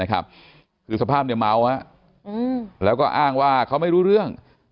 คือสภาพเมาแล้วก็อ้างว่าเขาไม่รู้เรื่อง